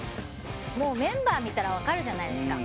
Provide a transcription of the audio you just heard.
もうメンバー見たらわかるじゃないですか。